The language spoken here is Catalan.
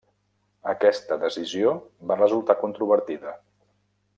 Aquesta decisió va resultar controvertida.